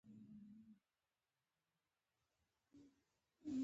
د لغمان جوار د سیند ترڅنګ دي.